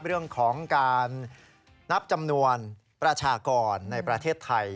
เรื่องของการนับจำนวนประชากรในประเทศไทย